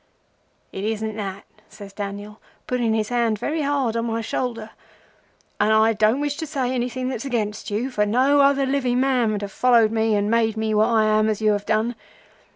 "'It isn't that,' says Daniel, putting his hand very hard on my shoulder; 'and I don't wish to say anything that's against you, for no other living man would have followed me and made me what I am as you have done.